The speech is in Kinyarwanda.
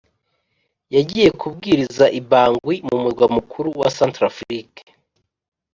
Yagiye kubwiriza i Bangui mu murwa mukuru wa Centrafrique